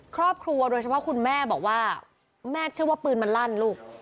ครอบครัวโดยเฉพาะคุณแม่บอกว่าแม่เชื่อว่าปืนมันลั่นลูก